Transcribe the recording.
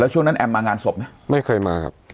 ช่วงนั้นแอมมางานศพไหมไม่เคยมาครับ